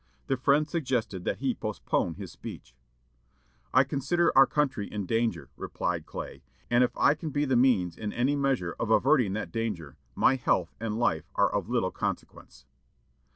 The friend suggested that he postpone his speech. "I consider our country in danger," replied Clay; "and if I can be the means in any measure of averting that danger, my health and life are of little consequence."